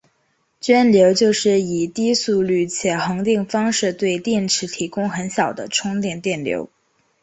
涓流就是以低速率且恒定方式对电池提供很小的充电电流。